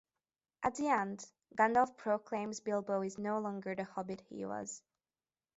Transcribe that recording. At the end, Gandalf proclaims Bilbo is no longer the Hobbit he was.